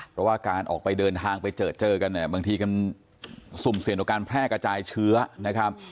เพราะว่าการออกไปเดินทางไปเจอเจอกันเนี่ยบางทีมันสุ่มเสี่ยงต่อการแพร่กระจายเชื้อนะครับ